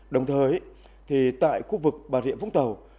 đồng thời tại khu vực bà rịa vũng tàu